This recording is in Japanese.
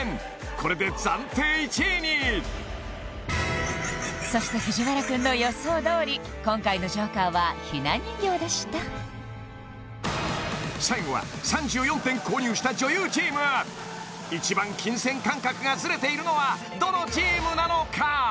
これで暫定１位にそして藤原くんの予想どおり今回のＪＯＫＥＲは雛人形でした最後は３４点購入した女優チーム一番金銭感覚がズレているのはどのチームなのか？